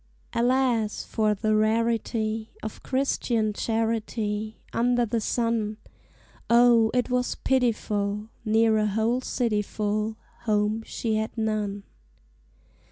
Alas! for the rarity Of Christian charity Under the sun! O, it was pitiful! Near a whole city full, Home she had none.